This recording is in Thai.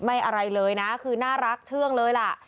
อะไรเลยนะคือน่ารักเชื่องเลยล่ะ